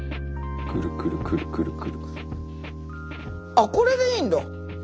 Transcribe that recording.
あっこれでいいんだ。